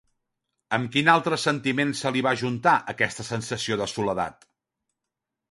Amb quin altre sentiment se li va ajuntar, aquesta sensació de soledat?